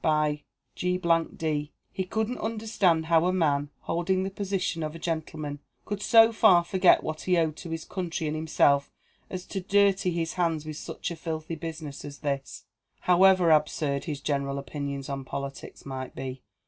By G d, he couldn't understand how a man, holding the position of a gentleman, could so far forget what he owed to his country and himself as to dirty his hands with such a filthy business as this, however absurd his general opinions on politics might be.